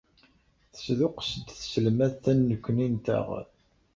Tesduqqes-d tselmadt annekni-nteɣ.